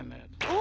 お。